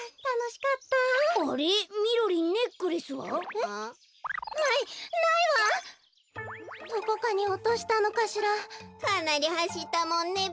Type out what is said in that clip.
かなりはしったもんねべ。